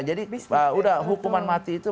jadi udah hukuman mati itu